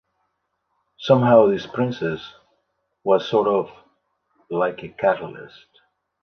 Somehow this princess was sort of like a catalyst.